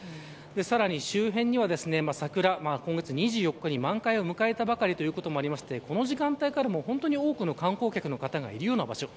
さらに周辺には桜今月２４日に満開を迎えたばかりということもあってこの時間帯から多くの観光客の方がいるような場所。